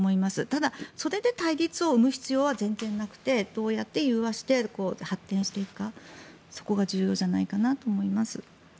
ただ、それで対立を生む必要は全然なくてどうやって融和して発展していくかそこが重要じゃないかなと思います。